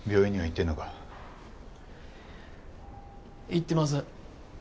行ってます。